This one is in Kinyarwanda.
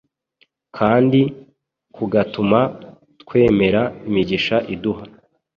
kandi kugatuma twemera imigisha iduha.